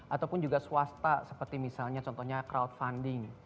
ataupun juga swasta seperti misalnya contohnya crowdfunding